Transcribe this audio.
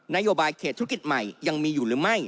นโยบายเขตธุรกิจใหม่ยังมีอยู่หรือไม่